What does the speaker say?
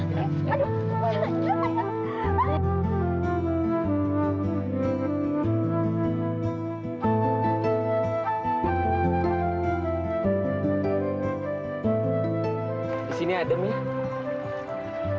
di sini adem ya